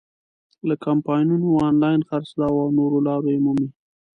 له کمپاینونو، آنلاین خرڅلاو او نورو لارو یې مومي.